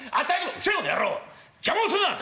「うるせえこの野郎邪魔をするな！